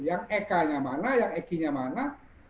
yang ekanya mana yang ekinya mana